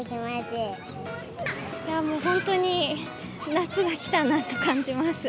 もう本当に夏が来たなと感じます。